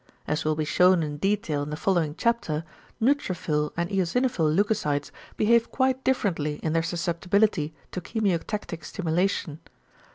As will be shewn in detail in the following chapter, neutrophil and eosinophil leucocytes behave quite differently in their susceptibility to chemiotactic stimulation.